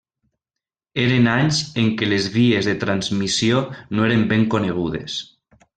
Eren anys en què les vies de transmissió no eren ben conegudes.